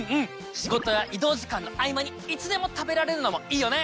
仕事や移動時間の合間にいつでも食べられるのもいいよね！